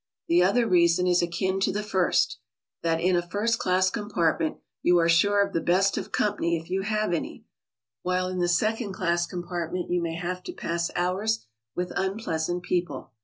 The other reason is akin to the first, — that in a first class compartment you are sure of the best of company if you have any, while in the second class compartment you may have to pass 'hours with unpleasant people.